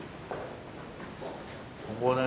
ここはねあ。